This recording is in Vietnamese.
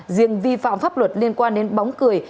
riêng vi phạm pháp luật liên quan đến bóng cười